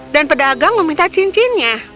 dan pedagang meminta cincinnya